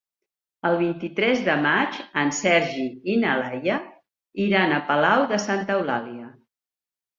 El vint-i-tres de maig en Sergi i na Laia iran a Palau de Santa Eulàlia.